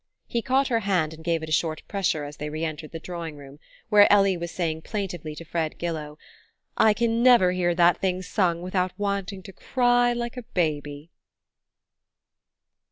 He caught her hand and gave it a short pressure as they re entered the drawing room, where Ellie was saying plaintively to Fred Gillow: "I can never hear that thing sung without wanting to cry like a baby."